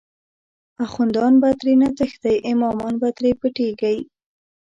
اخوندان به ترینه تښتی، امامان به تری پټیږی